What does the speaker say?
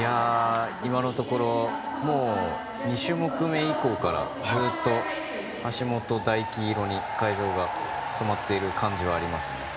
今のところ２種目目以降からずっと橋本大輝色に会場が染まっている感じはありますね。